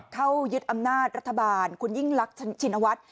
เข้ายึดอำนาจรัฐบาลคุณยิ่งรักชินวัฒน์